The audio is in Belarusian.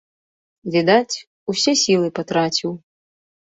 Відаць, усе сілы патраціў.